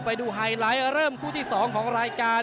ไปดูไฮไลท์เริ่มคู่ที่๒ของรายการ